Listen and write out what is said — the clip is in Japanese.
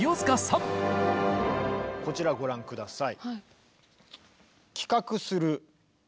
こちらご覧下さい。